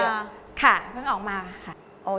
แล้วออกมาค่ะเพิ่งออกมาค่ะ